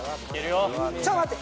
ちょっと待って！